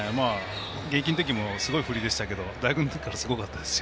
現役のときもすごい振りですけど大学のときもすごかったですよ。